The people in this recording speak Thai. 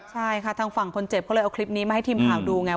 ใช่ค่ะทางฝั่งคนเจ็บเขาเลยเอาคลิปนี้มาให้ทีมข่าวดูไง